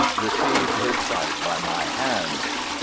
received his sight by my hands."